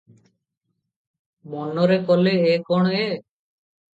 ମନରେ କଲେ, ଏ କଣ ଏ ।